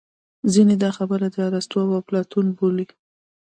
ځینې دا خبره د ارستو او اپلاتون بولي